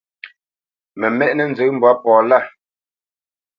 Mə mɛ́ʼnə̄ nzə mbwǎ pɔ lâ.